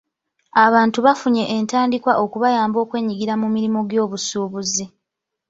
Abantu bafunye entandikwa okubayamba okwenyigira mu mirimu gy'obusuubuzi.